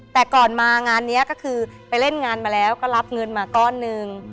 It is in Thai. แต่ก่อนมางานนี้ก็คือไปเล่นงานมาแล้วก็รับเงินมาก้อนหนึ่ง